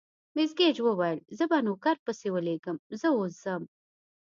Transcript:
مس ګېج وویل: زه به نوکر پسې ولېږم، زه اوس ځم.